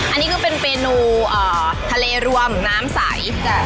อันนี้ก็เป็นเมนูทะเลรวมน้ำใส